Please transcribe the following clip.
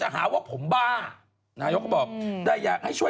เพราะวันนี้หล่อนแต่งกันได้ยังเป็นสวย